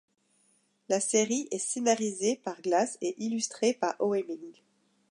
La série est scénarisée par Glass et illustrée par Oeming.